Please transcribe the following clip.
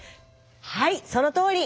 はいそのとおり。